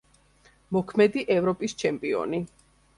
მოქმედი ევროპის ჩემპიონი.